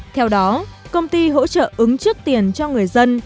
theo đó công ty hỗ trợ ứng trước tiền cho người dân